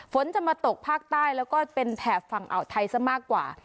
ฝนจะมาตกภาคใต้แล้วก็เป็นแถบฝั่งอ่าวไทยซะมากกว่า